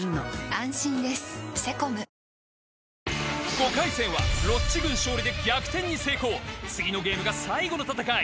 ５回戦はロッチ軍勝利で逆転に成功次のゲームが最後の戦い